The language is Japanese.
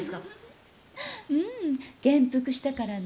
うん元服したからね。